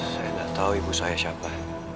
saya tidak tahu ibu saya siapa